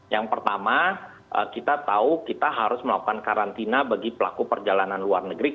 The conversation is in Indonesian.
yang pertama kita tahu kita harus melakukan karantina bagi pelaku perjalanan luar negeri